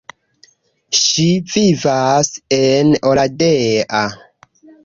Ŝi vivas en Oradea.